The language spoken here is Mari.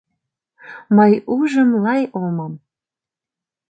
Мый ужым лай омым